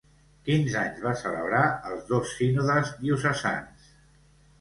Quins anys va celebrar els dos sínodes diocesans?